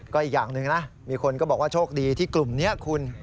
ก็อีกอย่างหนึ่งนะมีคนก็บอกว่าโชคดีที่กลุ่มนี้คุณ